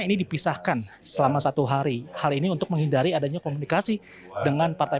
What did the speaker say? ini dipisahkan selama satu hari hal ini untuk menghindari adanya komunikasi dengan partai